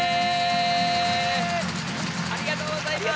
ありがとうございます。